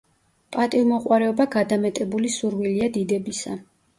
პატივმოყვარეობა გადამეტებული სურვილია დიდებისა.